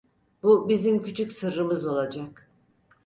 Bu bizim küçük sırrımız olacak.